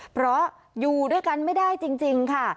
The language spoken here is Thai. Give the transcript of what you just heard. เพราะอยู่ด้วยกันไม่ได้จริงค่ะ